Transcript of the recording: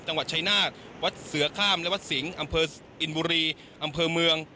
จังหวัดชายนาฏวัดเสือข้ามและวัดสิงห์อำเภออินบุรีอำเภอเมือง